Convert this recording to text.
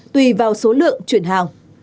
tùy vào số lượng chuyển hàng